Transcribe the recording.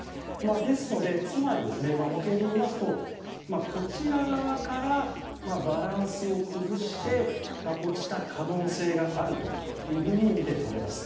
ですので、つまり模型でいいますとこちら側からバランスを崩して落ちた可能性があるというふうに見て取れます。